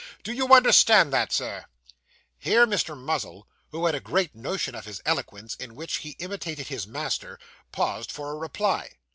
Do you understand that, Sir?' Here Mr. Muzzle, who had a great notion of his eloquence, in which he imitated his master, paused for a reply.